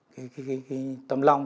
cái tâm lòng